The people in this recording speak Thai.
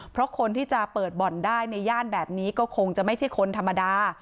เพราะคนที่จะเปิดบ่อนได้ในย่านแบบนี้ก็คงจะไม่ใช่คนธรรมดา